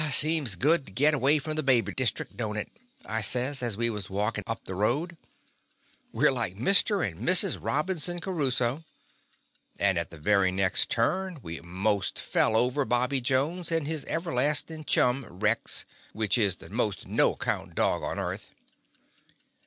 "Seems good to git away from the baby district, don't it?" I says, as we was walkin' up the road. "We 're like Mister and Missus Robinson Crusoe,'* and at the very next turn we most fell over Bobby Jones and his everlastin' chimi. Rex, which is the most no account dog on earth.